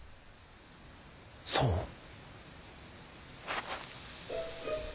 そう？